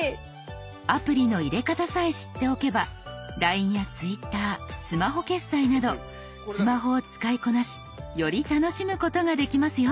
アプリの入れ方さえ知っておけばＬＩＮＥやＴｗｉｔｔｅｒスマホ決済などスマホを使いこなしより楽しむことができますよ。